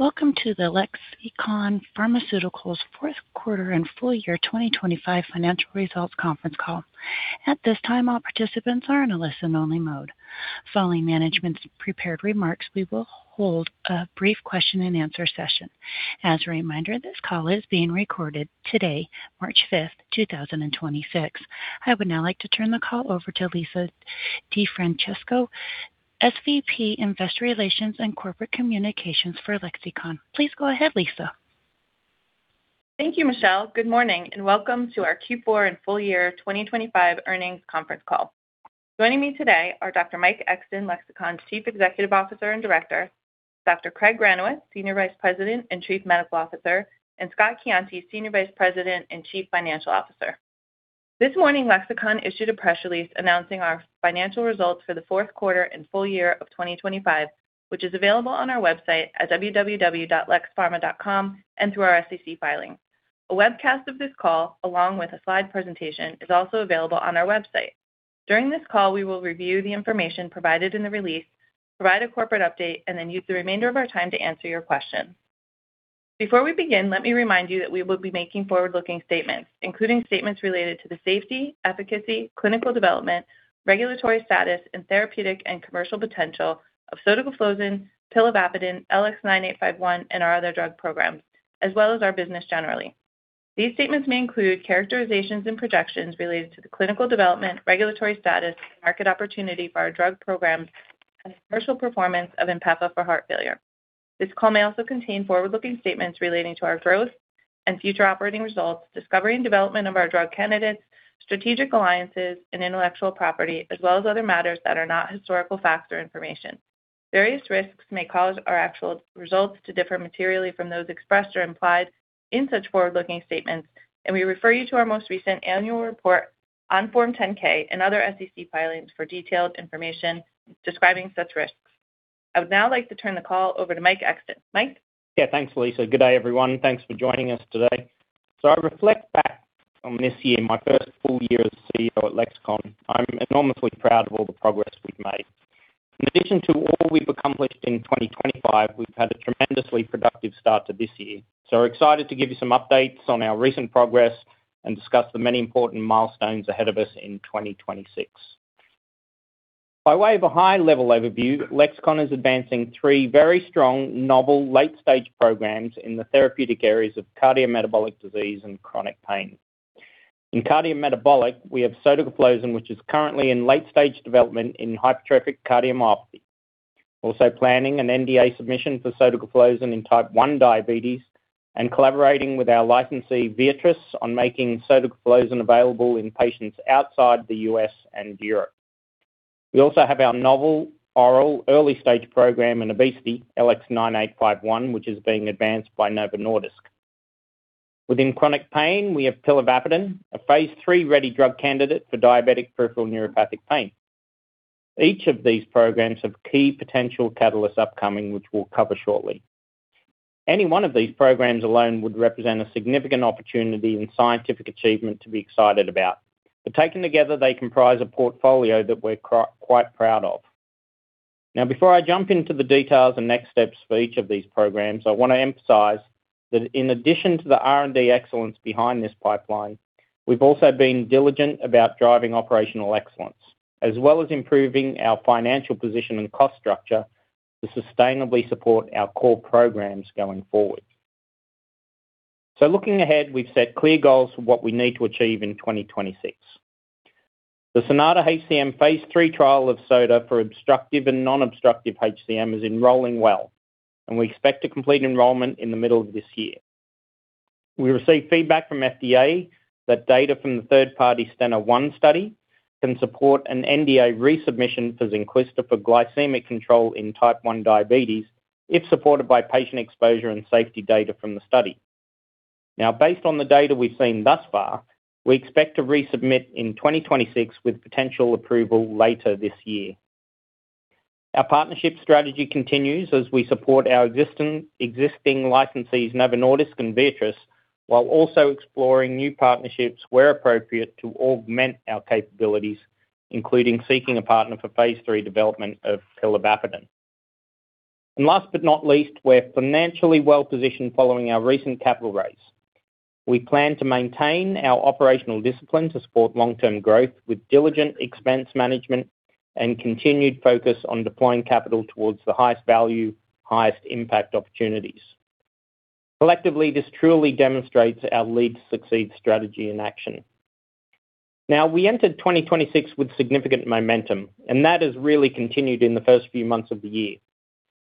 Welcome to the Lexicon Pharmaceuticals fourth quarter and full year 2025 financial results conference call. At this time, all participants are in a listen-only mode. Following management's prepared remarks, we will hold a brief question-and-answer session. As a reminder, this call is being recorded today, March 5th, 2026. I would now like to turn the call over to Lisa DeFrancesco, SVP, Investor Relations and Corporate Communications for Lexicon. Please go ahead, Lisa. Thank you, Michelle. Good morning, and welcome to our Q4 and full year 2025 earnings conference call. Joining me today are Dr. Mike Exton, Lexicon's Chief Executive Officer and Director, Dr. Craig Granowitz, Senior Vice President and Chief Medical Officer, and Scott Coiante, Senior Vice President and Chief Financial Officer. This morning, Lexicon issued a press release announcing our financial results for the fourth quarter and full year of 2025, which is available on our website at www.lexpharma.com and through our SEC filing. A webcast of this call, along with a slide presentation, is also available on our website. During this call, we will review the information provided in the release, provide a corporate update, and then use the remainder of our time to answer your questions. Before we begin, let me remind you that we will be making forward-looking statements, including statements related to the safety, efficacy, clinical development, regulatory status, and therapeutic and commercial potential of sotagliflozin, pilavapadin, LX9851, and our other drug programs, as well as our business generally. These statements may include characterizations and projections related to the clinical development, regulatory status, market opportunity for our drug programs, and commercial performance of Empatha for heart failure. This call may also contain forward-looking statements relating to our growth and future operating results, discovery and development of our drug candidates, strategic alliances and intellectual property, as well as other matters that are not historical facts or information. Various risks may cause our actual results to differ materially from those expressed or implied in such forward-looking statements. We refer you to our most recent annual report on Form ten-K and other SEC filings for detailed information describing such risks. I would now like to turn the call over to Mike Exton. Mike? Yeah. Thanks, Lisa. Good day, everyone. Thanks for joining us today. I reflect back on this year, my first full year as CEO at Lexicon. I'm enormously proud of all the progress we've made. In addition to all we've accomplished in 2025, we've had a tremendously productive start to this year. We're excited to give you some updates on our recent progress and discuss the many important milestones ahead of us in 2026. By way of a high-level overview, Lexicon is advancing three very strong novel late-stage programs in the therapeutic areas of cardiometabolic disease and chronic pain. In cardiometabolic, we have sotagliflozin, which is currently in late-stage development in hypertrophic cardiomyopathy. Also planning an NDA submission for sotagliflozin in type 1 diabetes and collaborating with our licensee, Viatris, on making sotagliflozin available in patients outside the U.S. and Europe. We also have our novel oral early-stage program in obesity, LX9851, which is being advanced by Novo Nordisk. Within chronic pain, we have pilavapadin, a phase III-ready drug candidate for diabetic peripheral neuropathic pain. Each of these programs have key potential catalysts upcoming, which we'll cover shortly. Any one of these programs alone would represent a significant opportunity and scientific achievement to be excited about. Taken together, they comprise a portfolio that we're quite proud of. Before I jump into the details and next steps for each of these programs, I want to emphasize that in addition to the R&D excellence behind this pipeline, we've also been diligent about driving operational excellence, as well as improving our financial position and cost structure to sustainably support our core programs going forward. Looking ahead, we've set clear goals for what we need to achieve in 2026. The SONATA-HCM phase III trial of Sota for obstructive and non-obstructive HCM is enrolling well, we expect to complete enrollment in the middle of this year. We received feedback from FDA that data from the third-party Steno-1 study can support an NDA resubmission for Zynquista for glycemic control in type 1 diabetes if supported by patient exposure and safety data from the study. Based on the data we've seen thus far, we expect to resubmit in 2026 with potential approval later this year. Our partnership strategy continues as we support our existing licensees, Novo Nordisk and Viatris, while also exploring new partnerships where appropriate to augment our capabilities, including seeking a partner for phase III development of pilavapadin. Last but not least, we're financially well-positioned following our recent capital raise. We plan to maintain our operational discipline to support long-term growth with diligent expense management and continued focus on deploying capital towards the highest value, highest impact opportunities. Collectively, this truly demonstrates our lead to succeed strategy in action. We entered 2026 with significant momentum, and that has really continued in the first few months of the year.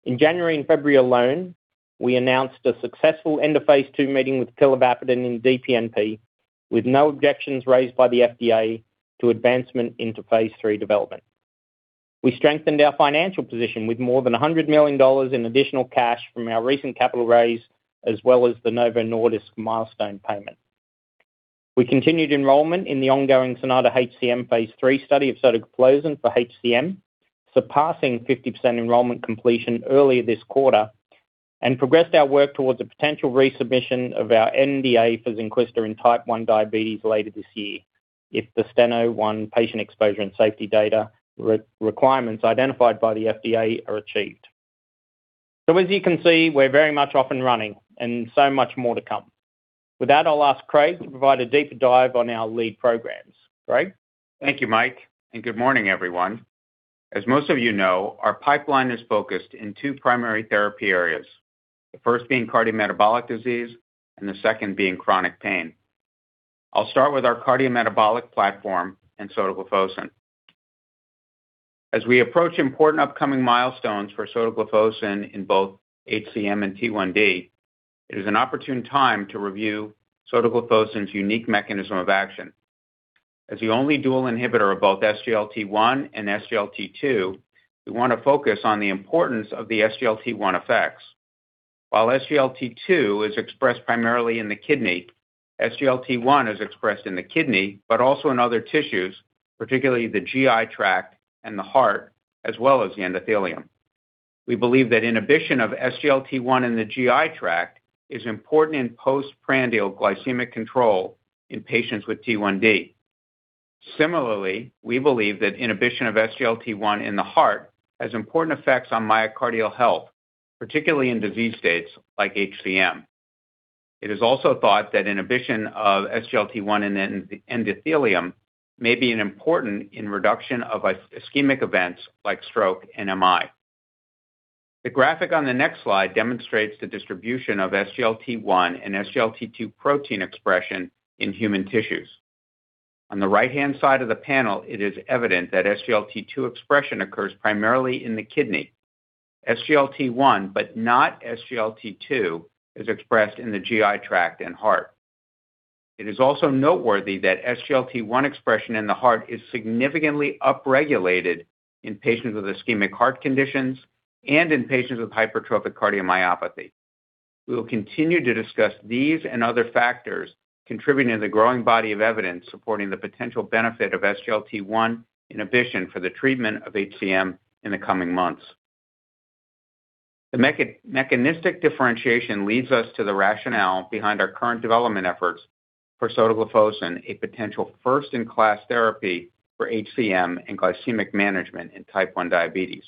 In January and February alone, we announced a successful end of Phase II meeting with pilavapadin in DPNP, with no objections raised by the FDA to advancement into Phase III development. We strengthened our financial position with more than $100 million in additional cash from our recent capital raise, as well as the Novo Nordisk milestone payment. We continued enrollment in the ongoing SONATA-HCM Phase III study of sotagliflozin for HCM, surpassing 50% enrollment completion early this quarter, and progressed our work towards a potential resubmission of our NDA for Zynquista in type 1 diabetes later this year. If the Steno-1 patient exposure and safety data re-requirements identified by the FDA are achieved. As you can see, we're very much off and running and so much more to come. With that, I'll ask Craig to provide a deeper dive on our lead programs. Craig? Thank you, Mike. Good morning, everyone. As most of you know, our pipeline is focused in two primary therapy areas. The first being cardiometabolic disease and the second being chronic pain. I'll start with our cardiometabolic platform and sotagliflozin. As we approach important upcoming milestones for sotagliflozin in both HCM and T1D, it is an opportune time to review sotagliflozin's unique mechanism of action. As the only dual inhibitor of both SGLT1 and SGLT2, we want to focus on the importance of the SGLT1 effects. While SGLT2 is expressed primarily in the kidney, SGLT1 is expressed in the kidney, but also in other tissues, particularly the GI tract and the heart, as well as the endothelium. We believe that inhibition of SGLT1 in the GI tract is important in postprandial glycemic control in patients with T1D. Similarly, we believe that inhibition of SGLT1 in the heart has important effects on myocardial health, particularly in disease states like HCM. It is also thought that inhibition of SGLT1 in endothelium may be an important in reduction of ischemic events like stroke and MI. The graphic on the next slide demonstrates the distribution of SGLT1 and SGLT2 protein expression in human tissues. On the right-hand side of the panel, it is evident that SGLT2 expression occurs primarily in the kidney. SGLT1, but not SGLT2, is expressed in the GI tract and heart. It is also noteworthy that SGLT1 expression in the heart is significantly upregulated in patients with ischemic heart conditions and in patients with hypertrophic cardiomyopathy. We will continue to discuss these and other factors contributing to the growing body of evidence supporting the potential benefit of SGLT1 inhibition for the treatment of HCM in the coming months. The mechanistic differentiation leads us to the rationale behind our current development efforts for sotagliflozin, a potential first-in-class therapy for HCM and glycemic management in type 1 diabetes.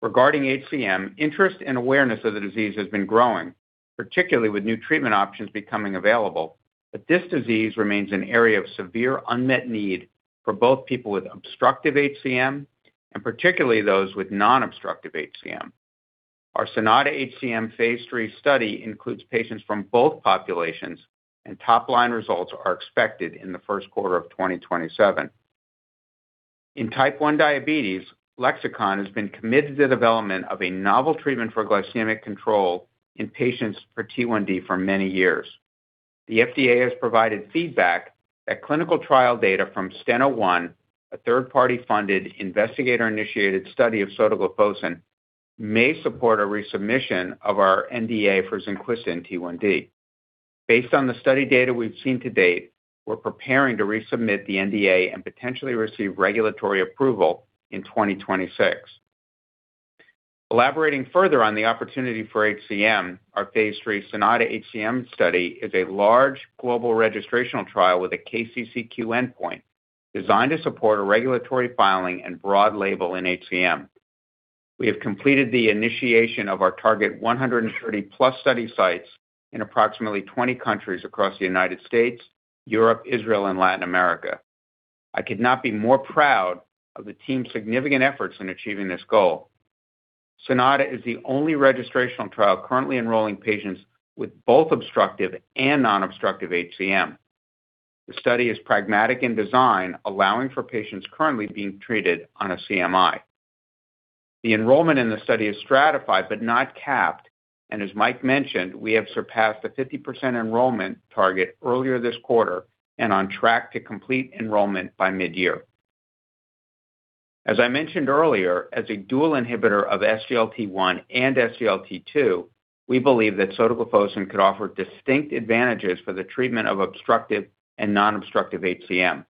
Regarding HCM, interest and awareness of the disease has been growing, particularly with new treatment options becoming available, but this disease remains an area of severe unmet need for both people with obstructive HCM and particularly those with non-obstructive HCM. Our SONATA-HCM Phase III study includes patients from both populations, and top-line results are expected in the first quarter of 2027. In type 1 diabetes, Lexicon has been committed to the development of a novel treatment for glycemic control in patients for T1D for many years. The FDA has provided feedback that clinical trial data from Steno-1, a third-party funded investigator-initiated study of sotagliflozin, may support a resubmission of our NDA for Zynquista in T1D. Based on the study data we've seen to date, we're preparing to resubmit the NDA and potentially receive regulatory approval in 2026. Elaborating further on the opportunity for HCM, our Phase III SONATA-HCM study is a large global registrational trial with a KCCQ endpoint designed to support a regulatory filing and broad label in HCM. We have completed the initiation of our target 130+ study sites in approximately 20 countries across the United States, Europe, Israel, and Latin America. I could not be more proud of the team's significant efforts in achieving this goal. SONATA is the only registrational trial currently enrolling patients with both obstructive and non-obstructive HCM. The study is pragmatic in design, allowing for patients currently being treated on a CMI. The enrollment in the study is stratified but not capped. As Mike mentioned, we have surpassed the 50% enrollment target earlier this quarter and on track to complete enrollment by mid-year. As I mentioned earlier, as a dual inhibitor of SGLT1 and SGLT2, we believe that sotagliflozin could offer distinct advantages for the treatment of obstructive and non-obstructive HCM.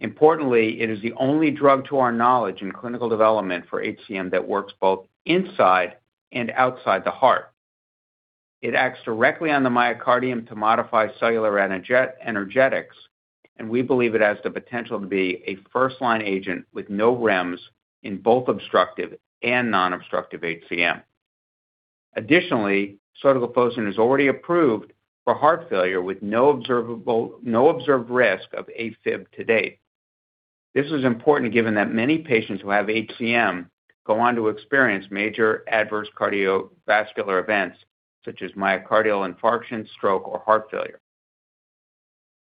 Importantly, it is the only drug to our knowledge in clinical development for HCM that works both inside and outside the heart. It acts directly on the myocardium to modify cellular energetics. We believe it has the potential to be a first-line agent with no REMS in both obstructive and non-obstructive HCM. Additionally, sotagliflozin is already approved for heart failure with no observed risk of AFib to date. This is important given that many patients who have HCM go on to experience major adverse cardiovascular events such as myocardial infarction, stroke, or heart failure.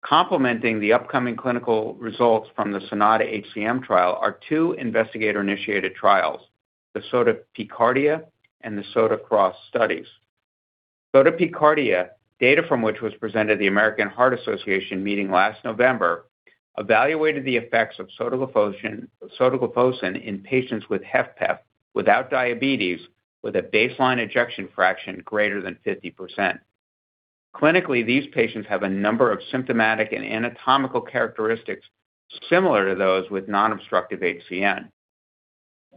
Complementing the upcoming clinical results from the SONATA HCM trial are two investigator-initiated trials, the SOTA-P cardia and the SOTA-CROSS studies. SOTA-P cardia, data from which was presented at the American Heart Association meeting last November, evaluated the effects of sotagliflozin in patients with HFpEF without diabetes with a baseline ejection fraction greater than 50%. Clinically, these patients have a number of symptomatic and anatomical characteristics similar to those with non-obstructive HCM.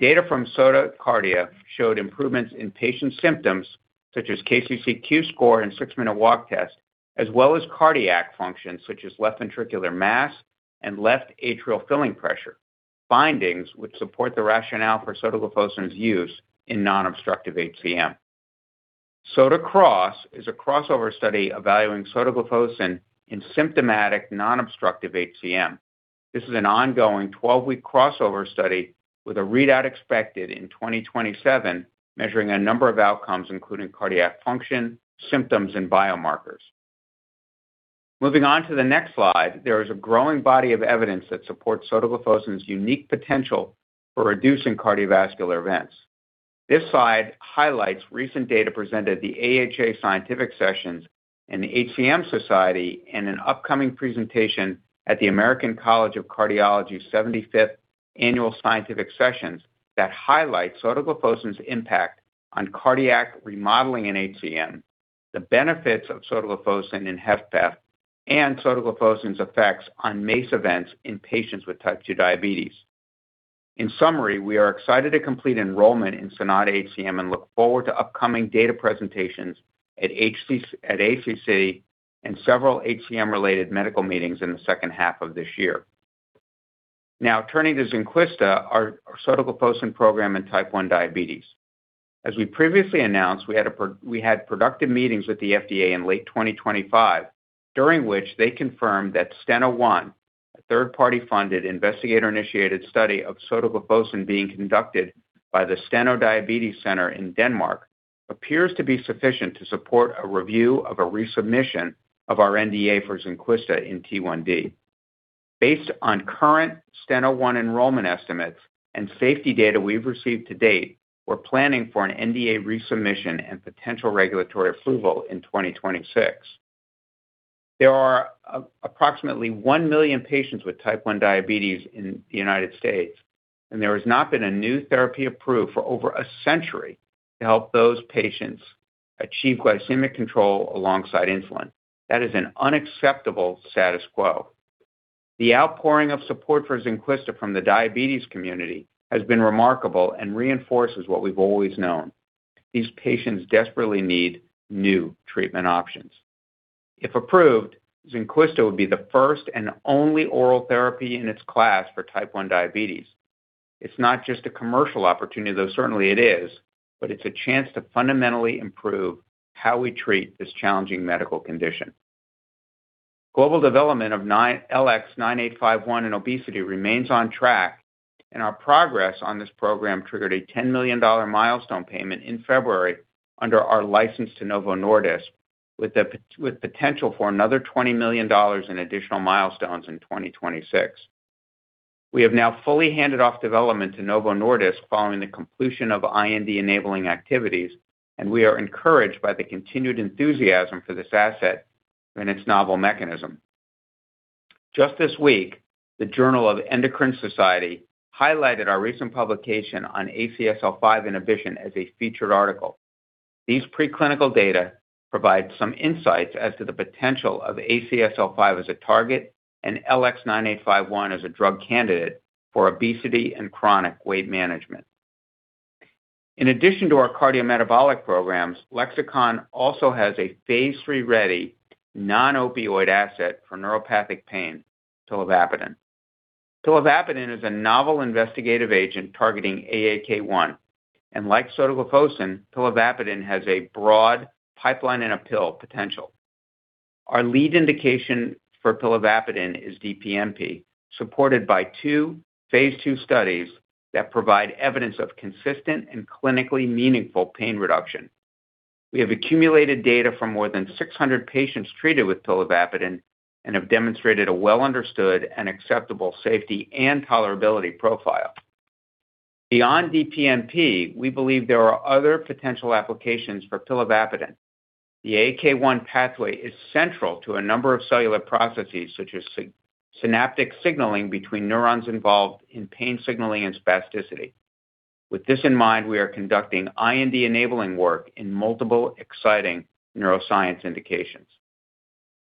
Data from SOTA-CARDIA showed improvements in patient symptoms such as KCCQ score and six-minute walk test, as well as cardiac function, such as left ventricular mass and left atrial filling pressure, findings which support the rationale for sotagliflozin's use in non-obstructive HCM. SOTA-CROSS is a crossover study evaluating sotagliflozin in symptomatic non-obstructive HCM. This is an ongoing 12-week crossover study with a readout expected in 2027, measuring a number of outcomes, including cardiac function, symptoms, and biomarkers. Moving on to the next slide, there is a growing body of evidence that supports sotagliflozin's unique potential for reducing cardiovascular events. This slide highlights recent data presented at the AHA Scientific Sessions and the HCM Society and an upcoming presentation at the American College of Cardiology 75th Annual Scientific Sessions that highlight sotagliflozin's impact on cardiac remodeling in HCM, the benefits of sotagliflozin in HFpEF, and sotagliflozin's effects on MACE events in patients with type 2 diabetes. In summary, we are excited to complete enrollment in SONATA-HCM and look forward to upcoming data presentations at ACC and several HCM-related medical meetings in the second half of this year. Turning to Zynquista, our sotagliflozin program in type 1 diabetes. As we previously announced, we had productive meetings with the FDA in late 2025, during which they confirmed that Steno-1, a third-party funded investigator-initiated study of sotagliflozin being conducted by the Steno Diabetes Center in Denmark, appears to be sufficient to support a review of a resubmission of our NDA for Zynquista in T1D. Based on current Steno-1 enrollment estimates and safety data we've received to date, we're planning for an NDA resubmission and potential regulatory approval in 2026. There are approximately 1 million patients with type 1 diabetes in the United States, and there has not been a new therapy approved for over a century to help those patients achieve glycemic control alongside insulin. That is an unacceptable status quo. The outpouring of support for Zynquista from the diabetes community has been remarkable and reinforces what we've always known. These patients desperately need new treatment options. If approved, Zynquista would be the first and only oral therapy in its class for type 1 diabetes. It's not just a commercial opportunity, though certainly it is, but it's a chance to fundamentally improve how we treat this challenging medical condition. Global development of LX9851 in obesity remains on track, and our progress on this program triggered a $10 million milestone payment in February under our license to Novo Nordisk, with potential for another $20 million in additional milestones in 2026. We have now fully handed off development to Novo Nordisk following the conclusion of IND-enabling activities, and we are encouraged by the continued enthusiasm for this asset and its novel mechanism. Just this week, the Journal of the Endocrine Society highlighted our recent publication on ACSL5 inhibition as a featured article. These preclinical data provide some insights as to the potential of ACSL5 as a target and LX9851 as a drug candidate for obesity and chronic weight management. In addition to our cardiometabolic programs, Lexicon also has a phase III-ready non-opioid asset for neuropathic pain, pilavapadin. Pilavapadin is a novel investigative agent targeting AAK1, and like sotagliflozin, pilavapadin has a broad pipeline and a pill potential. Our lead indication for pilavapadin is DPNP, supported by two phase II studies that provide evidence of consistent and clinically meaningful pain reduction. We have accumulated data from more than 600 patients treated with pilavapadin and have demonstrated a well-understood and acceptable safety and tolerability profile. Beyond DPNP, we believe there are other potential applications for pilavapadin. The AAK1 pathway is central to a number of cellular processes, such as synaptic signaling between neurons involved in pain signaling and spasticity. With this in mind, we are conducting IND-enabling work in multiple exciting neuroscience indications.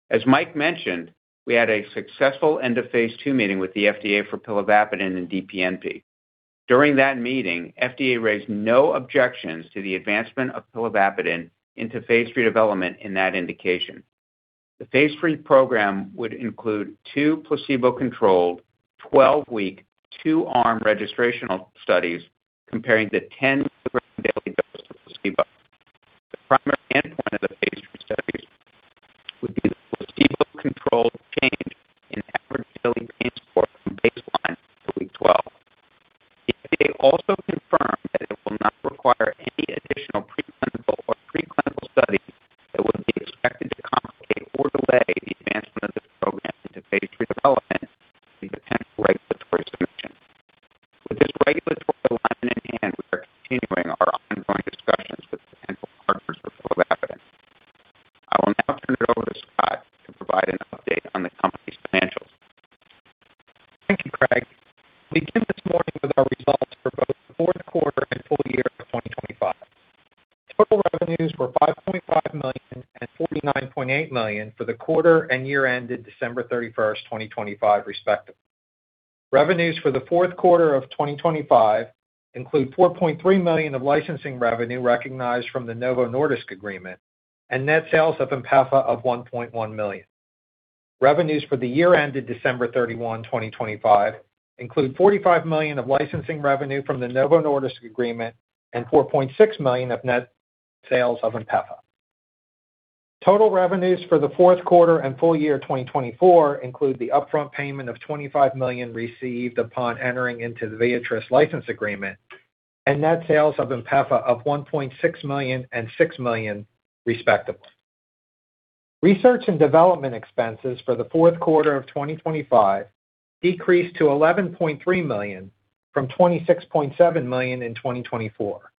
As Mike mentioned, we had a successful end of phase II meeting with the FDA for pilavapadin in DPNP. During that meeting, FDA raised no objections to the advancement of pilavapadin into phase III development in that indication. The phase IIIprogram would include two placebo-controlled, 12-week, 2-arm registrational studies comparing the 10 daily dose to placebo. The primary endpoint of the phase III studies would be the placebo-controlled change in average Total revenues for the fourth quarter and full year 2024 include the upfront payment of $25 million received upon entering into the Viatris license agreement and net sales of INPEFA of $1.6 million and $6 million, respectively. Research and development expenses for the fourth quarter of 2025 decreased to $11.3 million from $26.7 million in 2024.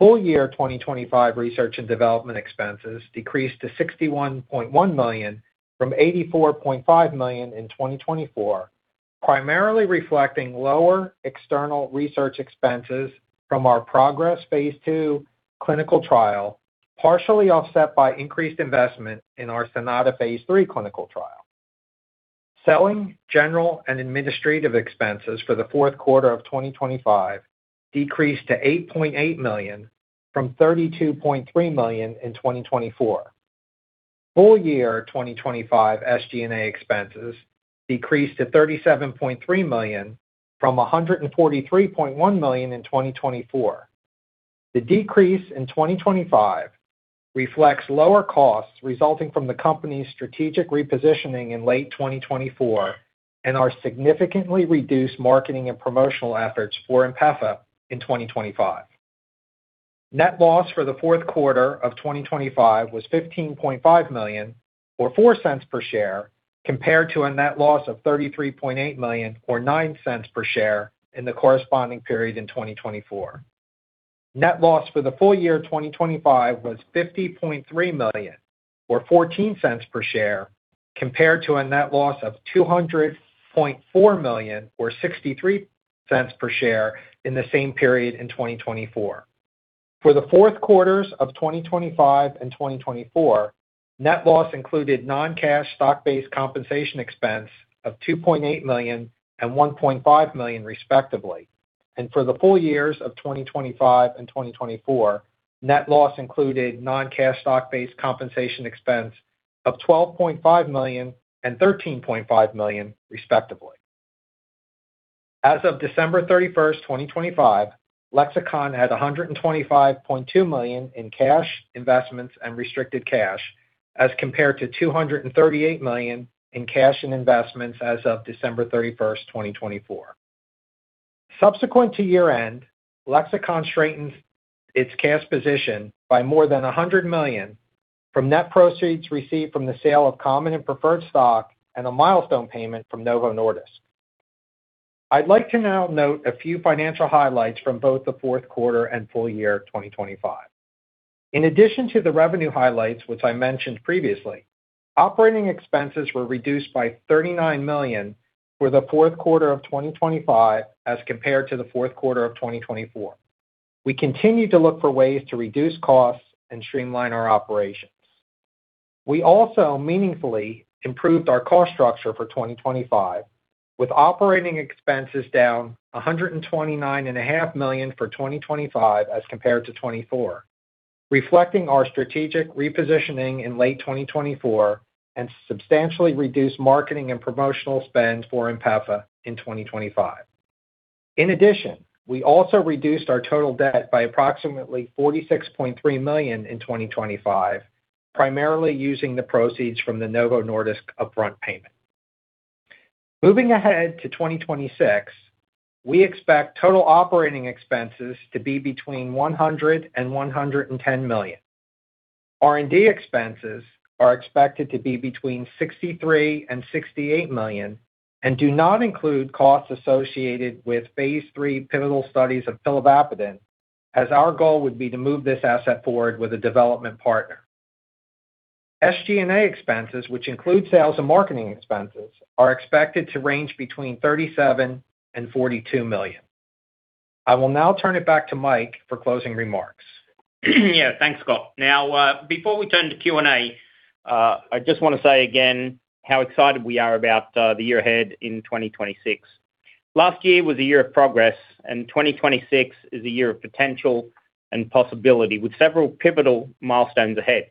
Full year 2025 research and development expenses decreased to $61.1 million from $84.5 million in 2024, primarily reflecting lower external research expenses from our PROGRESS Phase II clinical trial, partially offset by increased investment in our SONATA Phase III clinical trial. Selling, general and administrative expenses for the fourth quarter of 2025 decreased to $8.8 million from $32.3 million in 2024. Full year 2025 SG&A expenses decreased to $37.3 million from $143.1 million in 2024. The decrease in 2025 reflects lower costs resulting from the company's strategic repositioning in late 2024 and our significantly reduced marketing and promotional efforts for INPEFA in 2025. Net loss for the fourth quarter of 2025 was $15.5 million or $0.04 per share, compared to a net loss of $33.8 million or $0.09 per share in the corresponding period in 2024. Net loss for the full year 2025 was $50.3 million or $0.14 per share, compared to a net loss of $200.4 million or $0.63 per share in the same period in 2024. For the fourth quarters of 2025 and 2024, net loss included non-cash stock-based compensation expense of $2.8 million and $1.5 million, respectively. For the full years of 2025 and 2024, net loss included non-cash stock-based compensation expense of $12.5 million and $13.5 million, respectively. As of December 31st, 2025, Lexicon had $125.2 million in cash investments and restricted cash as compared to $238 million in cash and investments as of December 31st, 2024. Subsequent to year-end, Lexicon strengthened its cash position by more than $100 million from net proceeds received from the sale of common and preferred stock and a milestone payment from Novo Nordisk. I'd like to now note a few financial highlights from both the fourth quarter and full year 2025. In addition to the revenue highlights, which I mentioned previously, operating expenses were reduced by $39 million for the fourth quarter of 2025 as compared to the fourth quarter of 2024. We continue to look for ways to reduce costs and streamline our operations. We also meaningfully improved our cost structure for 2025, with operating expenses down $129.5 million for 2025 as compared to 2024, reflecting our strategic repositioning in late 2024 and substantially reduced marketing and promotional spend for INPEFA in 2025. In addition, we also reduced our total debt by approximately $46.3 million in 2025, primarily using the proceeds from the Novo Nordisk upfront payment. Moving ahead to 2026, we expect total operating expenses to be between $100 million-$110 million. R&D expenses are expected to be between $63 million and $68 million and do not include costs associated with Phase III pivotal studies of pilavapadin as our goal would be to move this asset forward with a development partner. SG&A expenses, which include sales and marketing expenses, are expected to range between $37 million and $42 million. I will now turn it back to Mike for closing remarks. Yeah. Thanks, Scott. Before we turn to Q&A, I just wanna say again how excited we are about the year ahead in 2026. Last year was a year of progress. 2026 is a year of potential and possibility with several pivotal milestones ahead.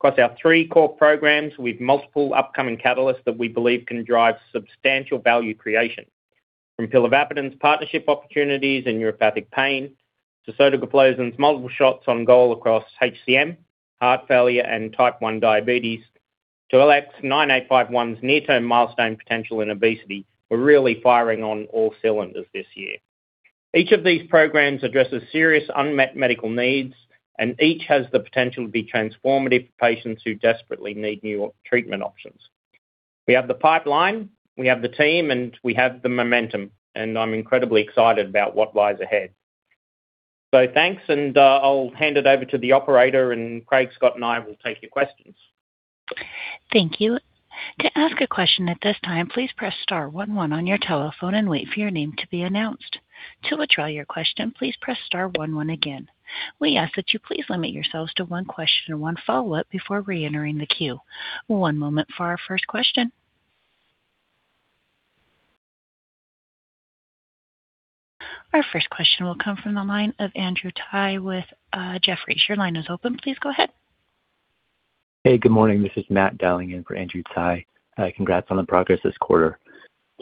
Across our three core programs, with multiple upcoming catalysts that we believe can drive substantial value creation. From pilavapadin's partnership opportunities in neuropathic pain to sotagliflozin's multiple shots on goal across HCM, heart failure, and Type 1 diabetes to LX9851's near-term milestone potential in obesity, we're really firing on all cylinders this year. Each of these programs addresses serious unmet medical needs. Each has the potential to be transformative for patients who desperately need new treatment options. We have the pipeline, we have the team, we have the momentum, I'm incredibly excited about what lies ahead. Thanks, I'll hand it over to the operator, Craig, Scott, and I will take your questions. Thank you. To ask a question at this time, please press star one one on your telephone and wait for your name to be announced. To withdraw your question, please press star one one again. We ask that you please limit yourselves to one question or one follow-up before reentering the queue. One moment for our first question. Our first question will come from the line of Andrew Tsai with Jefferies. Your line is open. Please go ahead. Good morning. This is Matt dialing in for Andrew Tsai. Congrats on the progress this quarter.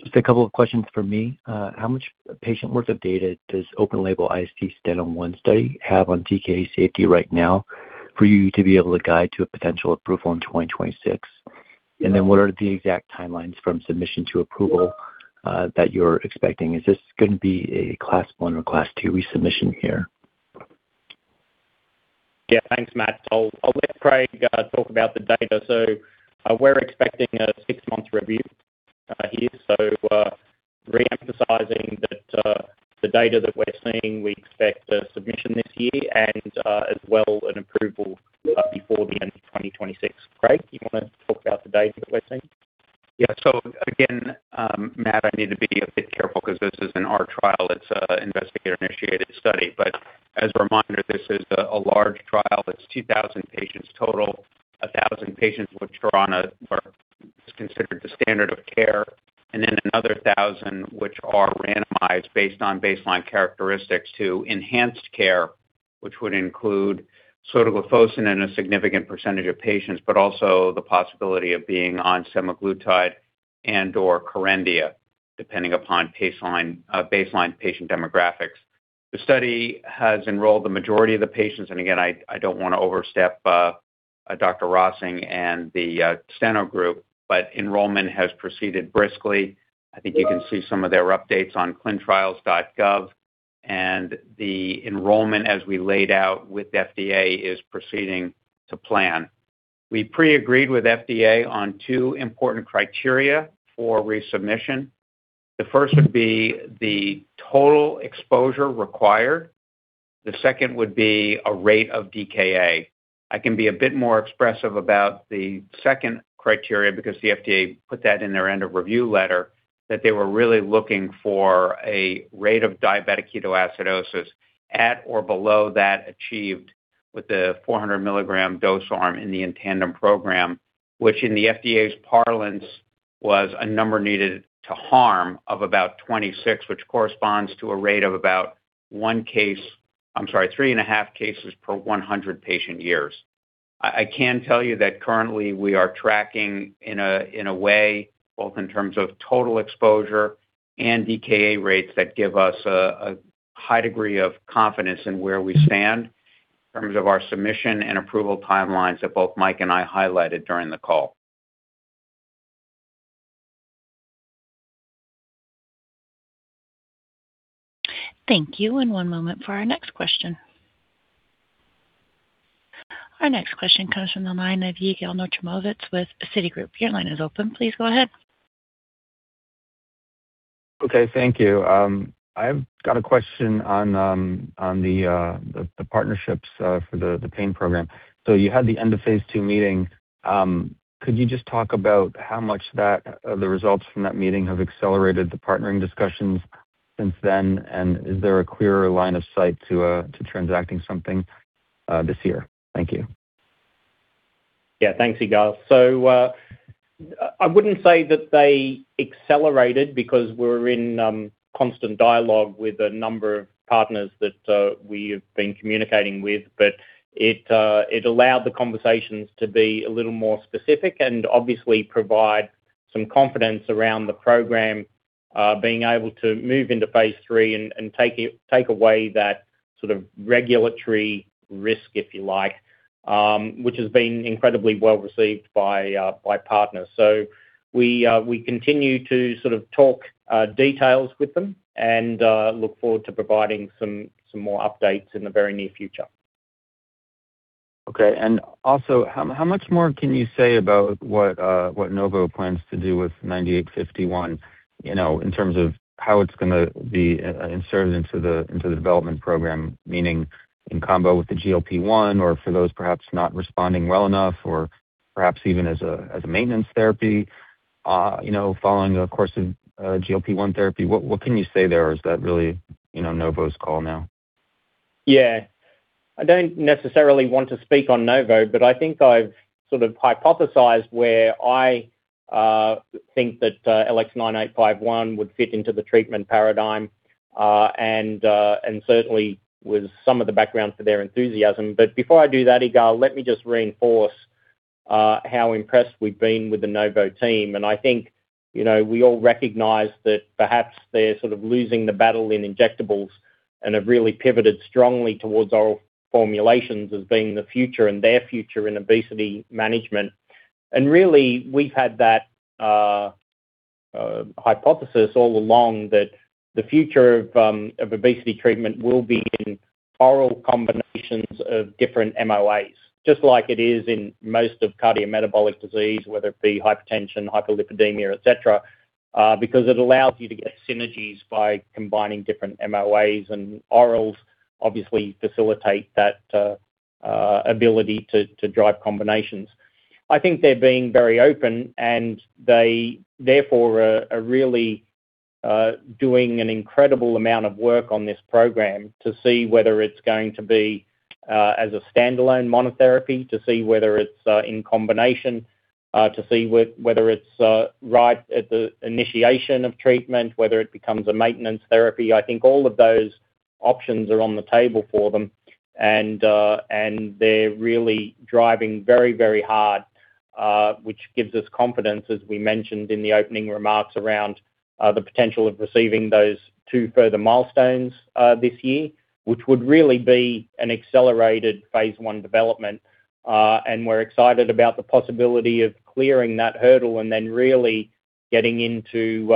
Just a couple of questions from me. How much patient worth of data does open label IST Steno-1 study have on DKA safety right now for you to be able to guide to a potential approval in 2026? What are the exact timelines from submission to approval that you're expecting? Is this gonna be a Class one or Class two resubmission here? Yeah. Thanks, Matt. I'll let Craig talk about the data. We're expecting a 6-month review here. Re-emphasizing that the data that we're seeing, we expect a submission this year and as well an approval before the end of 2026. Craig, you wanna talk about the data that we're seeing? Yeah. Again, Matt, I need to be a bit careful 'cause this isn't our trial. It's investigator-initiated study. As a reminder, this is a large trial that's 2,000 patients total. 1,000 patients were drawn or is considered the standard of care, and then another 1,000 which are randomized based on baseline characteristics to enhanced care, which would include sotagliflozin in a significant percentage of patients, but also the possibility of being on semaglutide and/or Corindia, depending upon baseline patient demographics. The study has enrolled the majority of the patients. Again, I don't wanna overstep, Dr. Rossing and the Steno group, but enrollment has proceeded briskly. I think you can see some of their updates on ClinicalTrials.gov and the enrollment as we laid out with FDA is proceeding to plan. We pre-agreed with FDA on two important criteria for resubmission. The first would be the total exposure required. The second would be a rate of DKA. I can be a bit more expressive about the second criteria because the FDA put that in their end of review letter, that they were really looking for a rate of diabetic ketoacidosis at or below that achieved with the 400 mg dose arm in the inTANDEM program, which in the FDA's parlance, was a number needed to harm of about 26, which corresponds to a rate of about three and a half cases per 100 patient years. I can tell you that currently we are tracking in a way, both in terms of total exposure and DKA rates that give us a high degree of confidence in where we stand in terms of our submission and approval timelines that both Mike and I highlighted during the call. Thank you. One moment for our next question. Our next question comes from the line of Yigal Nochomovitz with Citigroup. Your line is open. Please go ahead. Okay. Thank you. I've got a question on the, the partnerships, for the pain program. You had the end of Phase II meeting. Could you just talk about how much that, the results from that meeting have accelerated the partnering discussions since then? Is there a clearer line of sight to transacting something, this year? Thank you. Yeah. Thanks, Yigal. I wouldn't say that they accelerated because we're in constant dialogue with a number of partners that we have been communicating with. It allowed the conversations to be a little more specific and obviously provide some confidence around the program, being able to move into phase III and take away that sort of regulatory risk, if you like, which has been incredibly well-received by partners. We continue to sort of talk details with them and look forward to providing some more updates in the very near future. Okay. Also, how much more can you say about what Novo plans to do with 9851, you know, in terms of how it's gonna be inserted into the development program, meaning in combo with the GLP-1 or for those perhaps not responding well enough or perhaps even as a maintenance therapy, you know, following a course of GLP-1 therapy. What can you say there? Is that really, you know, Novo's call now? Yeah. I don't necessarily want to speak on Novo, but I think I've sort of hypothesized where I think that LX9851 would fit into the treatment paradigm, and certainly with some of the background for their enthusiasm. Before I do that, Yigal, let me just reinforce how impressed we've been with the Novo team. I think, you know, we all recognize that perhaps they're sort of losing the battle in injectables and have really pivoted strongly towards our formulations as being the future and their future in obesity management. Really, we've had that hypothesis all along that the future of obesity treatment will be in oral combinations of different MOAs, just like it is in most of cardiometabolic disease, whether it be hypertension, hyperlipidemia, etc. Because it allows you to get synergies by combining different MOAs, and orals obviously facilitate that ability to drive combinations. I think they're being very open and they therefore are really doing an incredible amount of work on this program to see whether it's going to be as a standalone monotherapy, to see whether it's in combination, to see whether it's right at the initiation of treatment, whether it becomes a maintenance therapy. I think all of those options are on the table for them. They're really driving very, very hard, which gives us confidence, as we mentioned in the opening remarks, around the potential of receiving those two further milestones this year, which would really be an accelerated phase I development. We're excited about the possibility of clearing that hurdle and then really getting into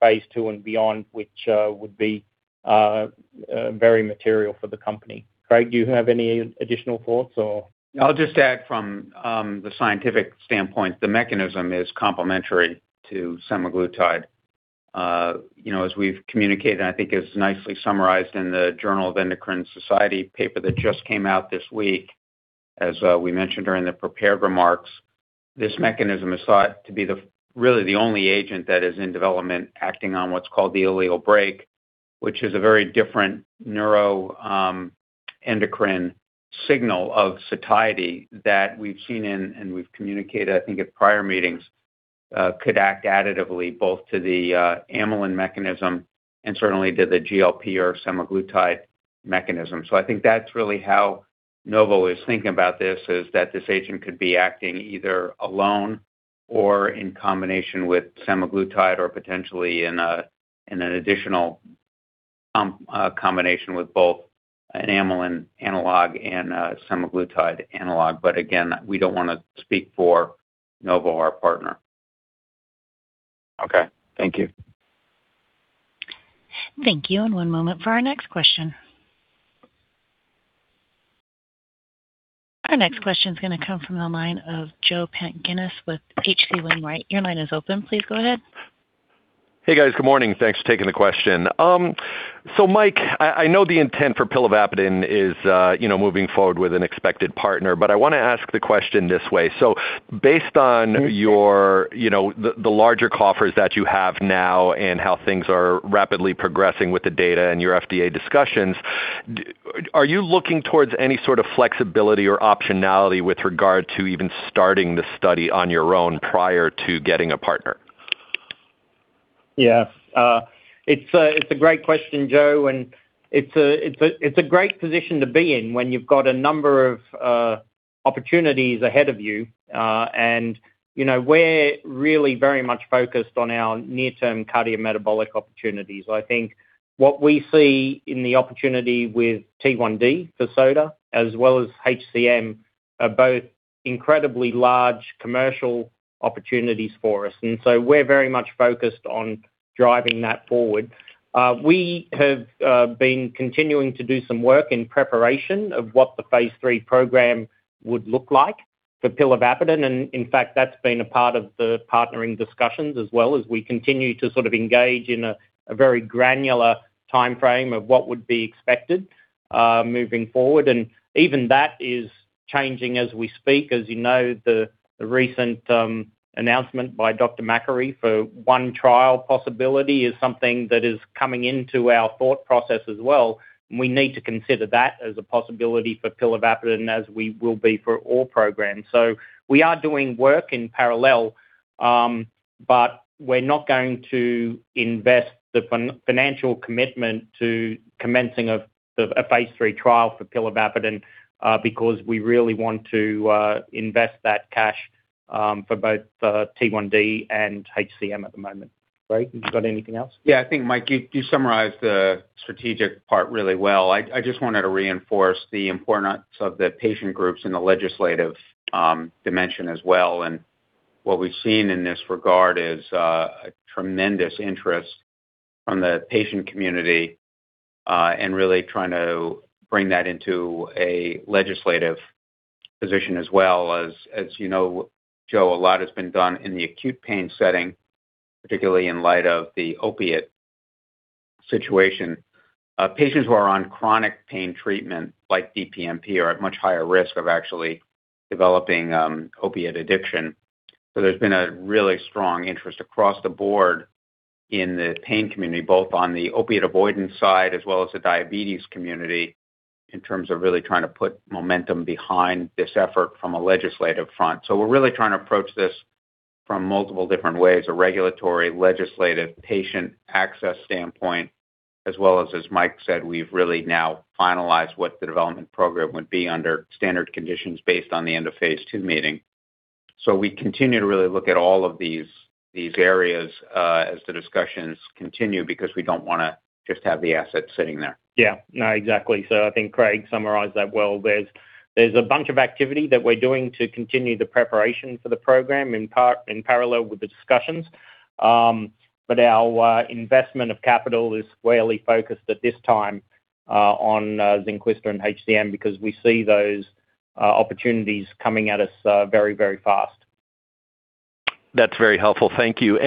phase II and beyond, which would be very material for the company. Craig, do you have any additional thoughts or? I'll just add from the scientific standpoint, the mechanism is complementary to semaglutide. You know, as we've communicated, I think it's nicely summarized in the Journal of Endocrine Society paper that just came out this week. As we mentioned during the prepared remarks, this mechanism is thought to be really the only agent that is in development acting on what's called the ileal brake, which is a very different neuro endocrine signal of satiety that we've seen and we've communicated, I think at prior meetings, could act additively both to the amylin mechanism and certainly to the GLP or semaglutide mechanism. I think that's really how Novo is thinking about this, is that this agent could be acting either alone or in combination with semaglutide or potentially in an additional combination with both an amylin analog and a semaglutide analog. Again, we don't wanna speak for Novo, our partner. Okay. Thank you. Thank you. One moment for our next question. Our next question is going to come from the line of Joseph Pantginis with H.C. Wainwright. Your line is open. Please go ahead. Hey, guys. Good morning. Thanks for taking the question. Mike, I know the intent for pilavapadin is, you know, moving forward with an expected partner, but I wanna ask the question this way. Based on your, you know, the larger coffers that you have now and how things are rapidly progressing with the data and your FDA discussions, are you looking towards any sort of flexibility or optionality with regard to even starting the study on your own prior to getting a partner? Yeah. It's a great question, Joe, and it's a great position to be in when you've got a number of opportunities ahead of you. You know, we're really very much focused on our near-term cardiometabolic opportunities. I think what we see in the opportunity with T1D for Zynquista as well as HCM are both incredibly large commercial opportunities for us, and so we're very much focused on driving that forward. We have been continuing to do some work in preparation of what the phase III program would look like for pilavapadin, and in fact, that's been a part of the partnering discussions as well as we continue to sort of engage in a very granular timeframe of what would be expected moving forward. Even that is changing as we speak. You know, the recent announcement by Dr. Makary for one trial possibility is something that is coming into our thought process as well, and we need to consider that as a possibility for pilavapadin as we will be for all programs. We are doing work in parallel. We're not going to invest the financial commitment to commencing a phase III trial for pilavapadin. We really want to invest that cash for both T1D and HCM at the moment. Craig, have you got anything else? Yeah. I think, Mike, you summarized the strategic part really well. I just wanted to reinforce the importance of the patient groups in the legislative dimension as well. What we've seen in this regard is a tremendous interest from the patient community and really trying to bring that into a legislative position as well. As you know, Joe, a lot has been done in the acute pain setting, particularly in light of the opiate situation. Patients who are on chronic pain treatment, like DPNP, are at much higher risk of actually developing opiate addiction. There's been a really strong interest across the board in the pain community, both on the opiate avoidance side as well as the diabetes community, in terms of really trying to put momentum behind this effort from a legislative front. We're really trying to approach this from multiple different ways, a regulatory, legislative, patient access standpoint, as well as Mike said, we've really now finalized what the development program would be under standard conditions based on the end of phase II meeting. We continue to really look at all of these areas, as the discussions continue because we don't wanna just have the asset sitting there. Yeah. No, exactly. I think Craig summarized that well. There's a bunch of activity that we're doing to continue the preparation for the program in part in parallel with the discussions. Our investment of capital is squarely focused at this time on Zynquista and HCM because we see those opportunities coming at us very, very fast. That's very helpful. Thank you.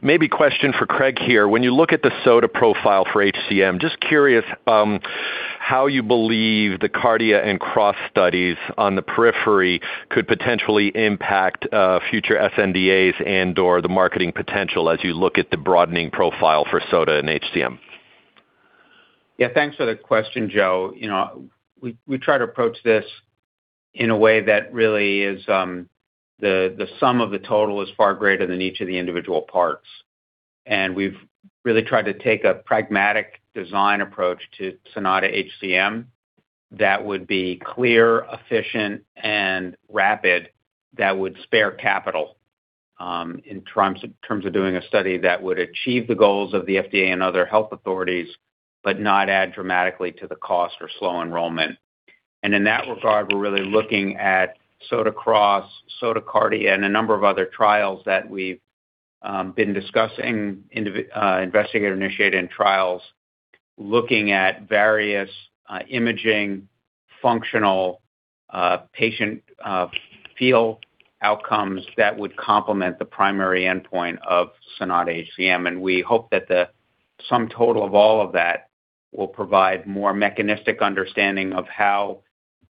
Maybe a question for Craig here. When you look at the Sota profile for HCM, just curious, how you believe the SOTA-CARDIA and SOTA-CROSS studies on the periphery could potentially impact, future sNDAs and/or the marketing potential as you look at the broadening profile for Sota and HCM? Yeah. Thanks for the question, Joe. You know, we try to approach this in a way that really is, the sum of the total is far greater than each of the individual parts. We've really tried to take a pragmatic design approach to SONATA-HCM that would be clear, efficient, and rapid, that would spare capital in terms of doing a study that would achieve the goals of the FDA and other health authorities but not add dramatically to the cost or slow enrollment. In that regard, we're really looking at SOTA-CROSS, SOTA-CARDIA, and a number of other trials that we've been discussing, investigator-initiated trials, looking at various imaging, functional, patient, feel outcomes that would complement the primary endpoint of SONATA-HCM. We hope that the sum total of all of that will provide more mechanistic understanding of how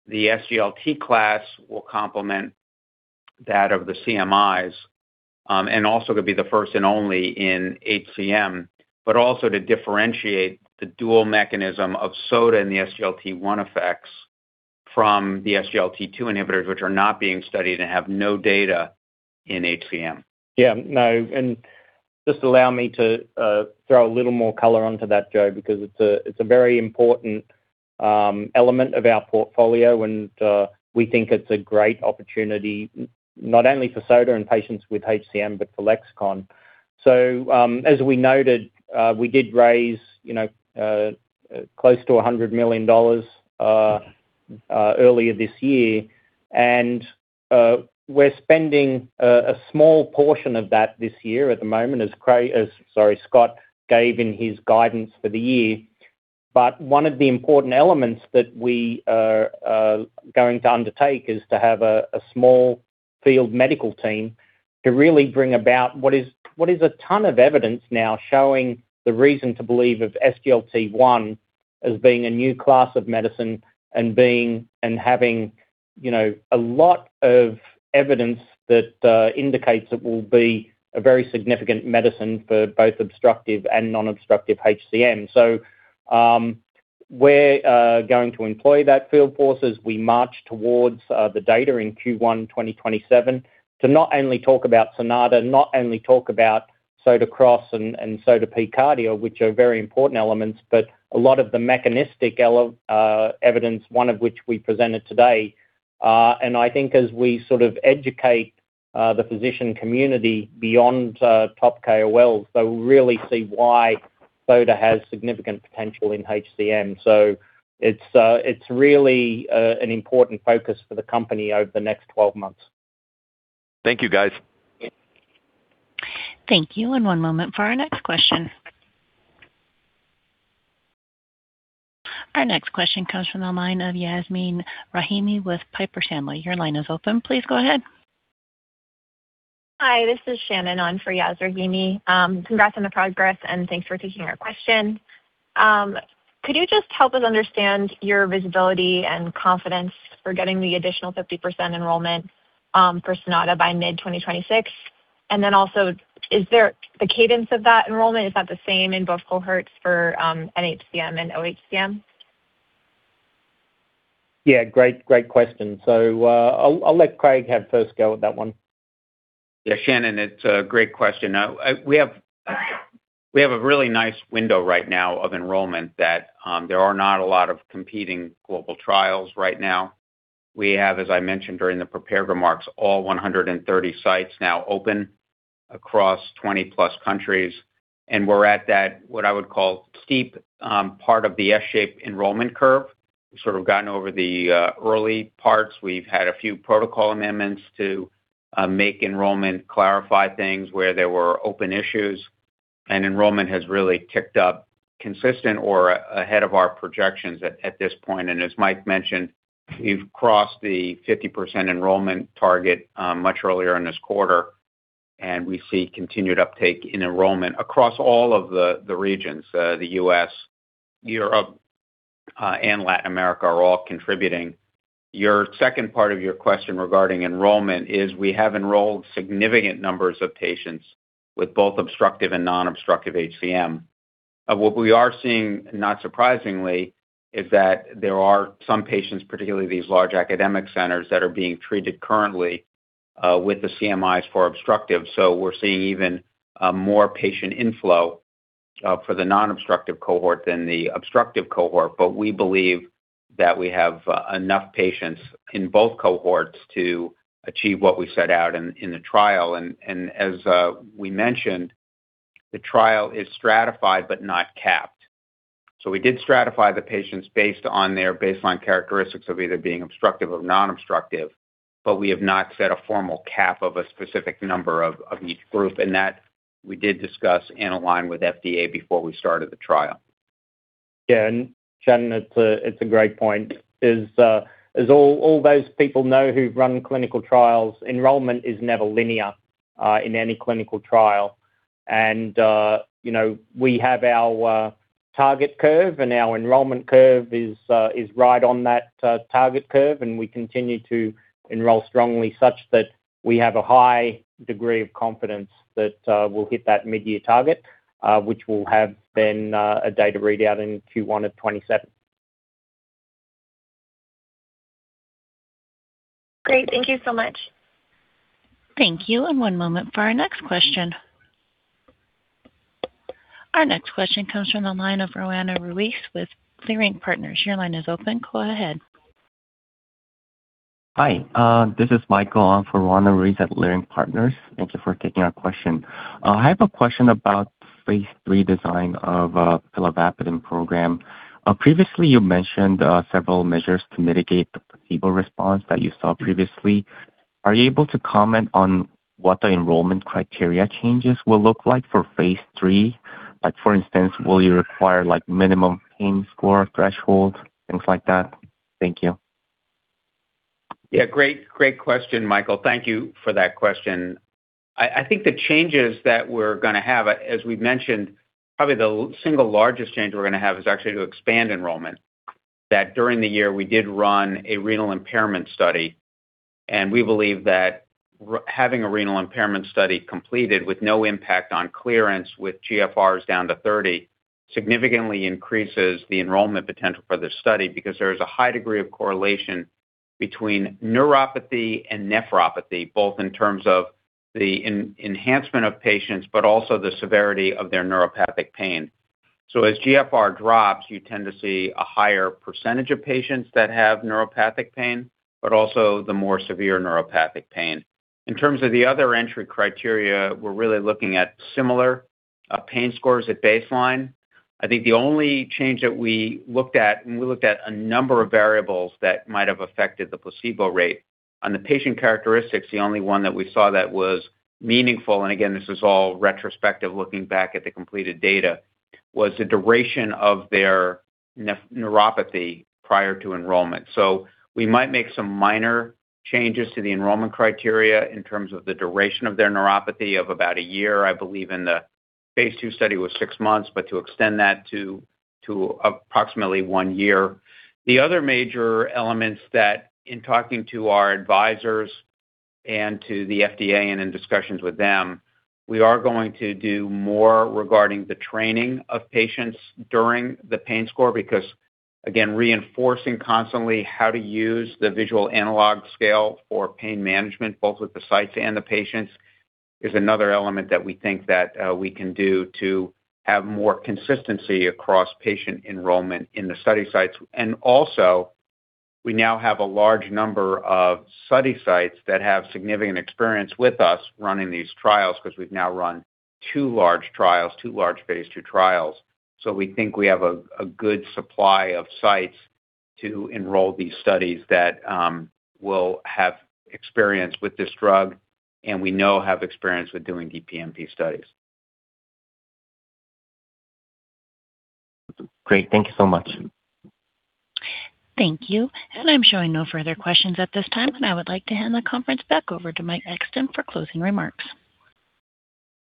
the SGLT class will complement that of the CMIs, and also to be the first and only in HCM. Also to differentiate the dual mechanism of Sota and the SGLT1 effects from the SGLT2 inhibitors, which are not being studied and have no data in HCM. Yeah. No, just allow me to throw a little more color onto that, Joe, because it's a very important element of our portfolio, and we think it's a great opportunity not only for Sota and patients with HCM, but for Lexicon. As we noted, we did raise, you know, close to $100 million earlier this year. We're spending a small portion of that this year at the moment as, sorry, Scott gave in his guidance for the year. One of the important elements that we are going to undertake is to have a small field medical team to really bring about what is a ton of evidence now showing the reason to believe of SGLT1 as being a new class of medicine and having, you know, a lot of evidence that indicates it will be a very significant medicine for both obstructive and non-obstructive HCM. We're going to employ that field force as we march towards the data in Q1 2027 to not only talk about SONATA, not only talk about SOTA-CROSS and SOTA-P-CARDIA, which are very important elements, but a lot of the mechanistic evidence, one of which we presented today. I think as we sort of educate, the physician community beyond top KOLs, they'll really see why Sota has significant potential in HCM. It's really an important focus for the company over the next 12 months. Thank you, guys. Thank you. One moment for our next question. Our next question comes from the line of Yasmeen Rahimi with Piper Sandler. Your line is open. Please go ahead. Hi, this is Shannon on for Yas Rahimi. Congrats on the progress, and thanks for taking our question. Could you just help us understand your visibility and confidence for getting the additional 50% enrollment for SONATA by mid-2026? Also, the cadence of that enrollment, is that the same in both cohorts for NHCM and OHCM? Yeah, great question. I'll let Craig have first go at that one. Yeah, Shannon, it's a great question. We have a really nice window right now of enrollment that there are not a lot of competing global trials right now. We have, as I mentioned during the prepared remarks, all 130 sites now open across 20-plus countries, and we're at that, what I would call steep part of the S-shape enrollment curve. We've sort of gotten over the early parts. We've had a few protocol amendments to make enrollment clarify things where there were open issues. Enrollment has really ticked up consistent or ahead of our projections at this point. As Mike mentioned, we've crossed the 50% enrollment target much earlier in this quarter, and we see continued uptake in enrollment across all of the regions. The U.S., Europe, and Latin America are all contributing. Your second part of your question regarding enrollment is we have enrolled significant numbers of patients with both obstructive and non-obstructive HCM. What we are seeing, not surprisingly, is that there are some patients, particularly these large academic centers, that are being treated currently, with the CMIs for obstructive. We're seeing even more patient inflow for the non-obstructive cohort than the obstructive cohort. We believe that we have enough patients in both cohorts to achieve what we set out in the trial. As we mentioned, the trial is stratified but not capped. We did stratify the patients based on their baseline characteristics of either being obstructive or non-obstructive, but we have not set a formal cap of a specific number of each group. That we did discuss and align with FDA before we started the trial. Yeah. Shannon, it's a great point is as all those people know who run clinical trials, enrollment is never linear in any clinical trial. You know, we have our target curve, and our enrollment curve is right on that target curve, and we continue to enroll strongly such that we have a high degree of confidence that we'll hit that mid-year target, which will have then a data readout in Q1 of 2027. Great. Thank you so much. Thank you. One moment for our next question. Our next question comes from the line of Roanna Ruiz with Leerink Partners. Your line is open. Go ahead. Hi. This is Michael. I'm for Roanna Ruiz at Leerink Partners. Thank you for taking our question. I have a question about phase III design of pilavapadin program. Previously you mentioned several measures to mitigate the placebo response that you saw previously. Are you able to comment on what the enrollment criteria changes will look like for phase III? Like for instance, will you require like minimum pain score thresholds, things like that? Thank you. Yeah. Great. Great question, Michael. Thank you for that question. I think the changes that we're gonna have, as we've mentioned, probably the single largest change we're gonna have is actually to expand enrollment. During the year we did run a renal impairment study, and we believe that having a renal impairment study completed with no impact on clearance with GFRs down to 30 significantly increases the enrollment potential for this study because there is a high degree of correlation between neuropathy and nephropathy, both in terms of the enhancement of patients, but also the severity of their neuropathic pain. As GFR drops, you tend to see a higher percentage of patients that have neuropathic pain, but also the more severe neuropathic pain. In terms of the other entry criteria, we're really looking at similar pain scores at baseline. I think the only change that we looked at, and we looked at a number of variables that might have affected the placebo rate. On the patient characteristics, the only one that we saw that was meaningful, and again, this is all retrospective looking back at the completed data, was the duration of their neuropathy prior to enrollment. We might make some minor changes to the enrollment criteria in terms of the duration of their neuropathy of about a year. I believe in the phase II study was six months, but to extend that to approximately one year. The other major elements that in talking to our advisors and to the FDA and in discussions with them, we are going to do more regarding the training of patients during the pain score because, again, reinforcing constantly how to use the visual analog scale for pain management, both with the sites and the patients, is another element that we think that we can do to have more consistency across patient enrollment in the study sites. We now have a large number of study sites that have significant experience with us running these trials because we've now run two large phase II trials. We think we have a good supply of sites to enroll these studies that will have experience with this drug and we know have experience with doing DPNP studies. Great. Thank you so much. Thank you. I'm showing no further questions at this time, and I would like to hand the conference back over to Mike Exton for closing remarks.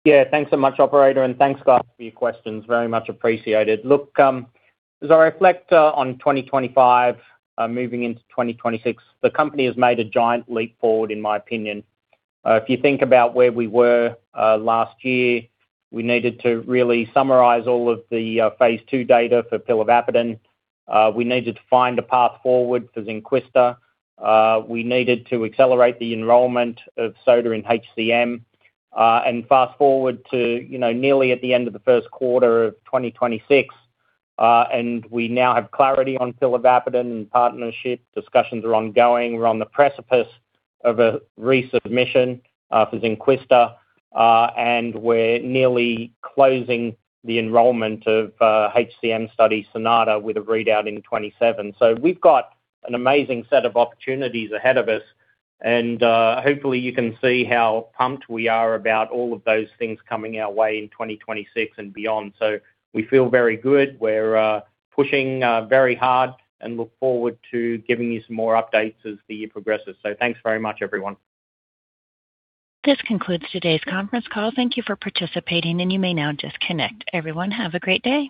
Yeah. Thanks so much, operator, and thanks, guys, for your questions. Very much appreciated. Look, as I reflect on 2025, moving into 2026, the company has made a giant leap forward in my opinion. If you think about where we were last year, we needed to really summarize all of the phase II data for pilavapadin. We needed to find a path forward for Zynquista. We needed to accelerate the enrollment of SOTA in HCM. Fast-forward to, you know, nearly at the end of the first quarter of 2026, and we now have clarity on pilavapadin and partnership discussions are ongoing. We're on the precipice of a resubmission for Zynquista, and we're nearly closing the enrollment of HCM study SONATA with a readout in 2027. We've got an amazing set of opportunities ahead of us and, hopefully you can see how pumped we are about all of those things coming our way in 2026 and beyond. We feel very good. We're pushing very hard and look forward to giving you some more updates as the year progresses. Thanks very much everyone. This concludes today's conference call. Thank you for participating, and you may now disconnect. Everyone, have a great day.